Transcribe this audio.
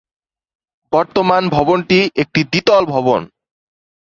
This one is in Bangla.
বর্তমান ভবনটি একটি দ্বিতল ভবন।